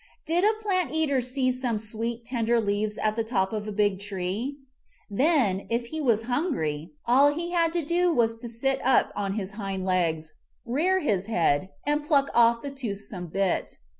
Did a plant eater see some sweet, ten der leaves at the top of a big tree? Then, if he was hungry, all he had to do was to sit up on his hind legs, rear his head, and pluck off the tooth some bit.